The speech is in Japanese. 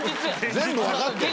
全部分かってる。